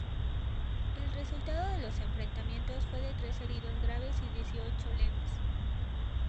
El resultado de los enfrentamientos fue de tres heridos graves y dieciocho leves.